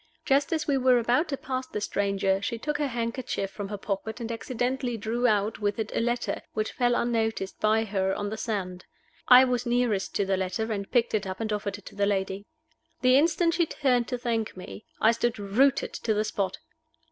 Just as we were about to pass the stranger she took her handkerchief from her pocket, and accidentally drew out with it a letter, which fell unnoticed by her, on the sand. I was nearest to the letter, and I picked it up and offered it to the lady. The instant she turned to thank me, I stood rooted to the spot.